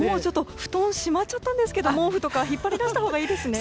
布団しまっちゃったんですけど毛布とか引っ張り出したほうがいいですね。